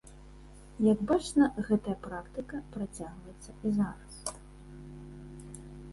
Як бачна, гэтая практыка працягваецца і зараз.